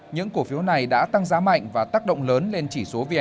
những cổ phiếu này đã tăng giá mạnh và tác động lớn lên chỉ số vn